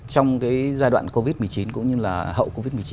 trong cái giai đoạn covid một mươi chín cũng như là hậu covid một mươi chín